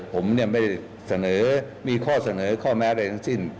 ผมไม่ได้เสนอมีข้อเสนอข้อแม้ใดทั้งสิ้น